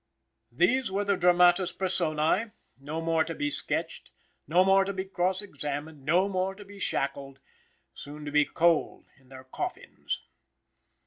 These were the dramatis personę, no more to be sketched, no more to be cross examined, no more to be shackled, soon to be cold in their coffins.